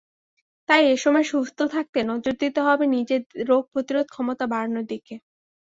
তাই এ সময় সুস্থ থাকতে নজর দিতে হবে নিজের রোগ প্রতিরোধ ক্ষমতা বাড়ানোর দিকে।